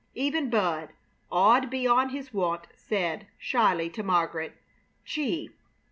Even Bud, awed beyond his wont, said, shyly, to Margaret: "Gee!